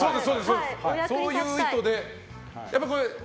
そういう意図で。